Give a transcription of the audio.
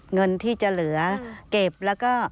เงินที่จะเหลือเก็บแล้วก็